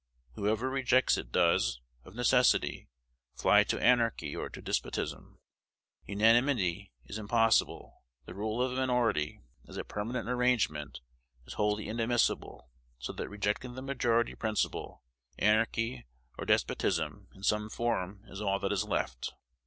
Whoever rejects it does, of necessity, fly to anarchy or to despotism. Unanimity is impossible: the rule of a minority, as a permanent arrangement, is wholly inadmissible; so that, rejecting the majority principle, anarchy or despotism in some form is all that is left.